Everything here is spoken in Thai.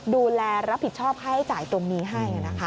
ดูแลรับผิดชอบค่าใช้จ่ายตรงนี้ให้นะคะ